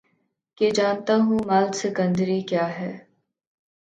کہ جانتا ہوں مآل سکندری کیا ہے